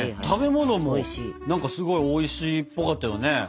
食べ物もすごいおいしいっぽかったよね。